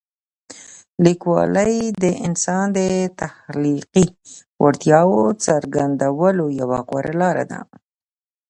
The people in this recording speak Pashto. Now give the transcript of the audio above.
لیکوالی د انسان د تخلیقي وړتیاوو څرګندولو یوه غوره لاره ده.